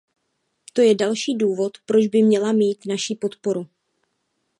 To je další důvod, proč by měla mít naši podporu.